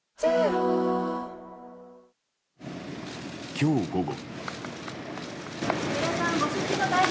今日午後。